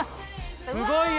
すごいよ！